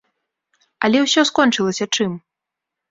Але ўсё скончылася чым?